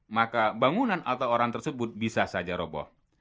maka bangunan atau orang tersebut bisa saja roboh